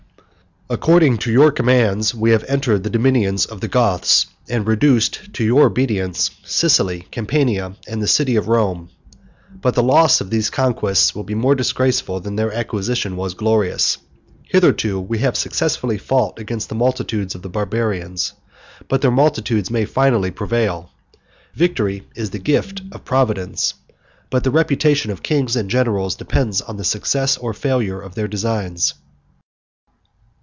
"According to your commands, we have entered the dominions of the Goths, and reduced to your obedience Sicily, Campania, and the city of Rome; but the loss of these conquests will be more disgraceful than their acquisition was glorious. Hitherto we have successfully fought against the multitudes of the Barbarians, but their multitudes may finally prevail. Victory is the gift of Providence, but the reputation of kings and generals depends on the success or the failure of their designs.